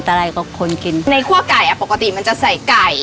แต่อะไรก็คนกินในคั่วไก่อ่ะปกติมันจะใส่ไก่